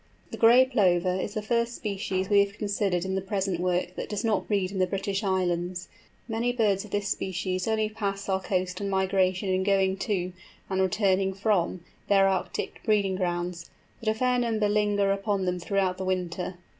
The Gray Plover is the first species we have considered in the present work that does not breed in the British Islands. Many birds of this species only pass our coast on migration in going to, and returning from, their Arctic breeding grounds, but a fair number linger upon them throughout the winter.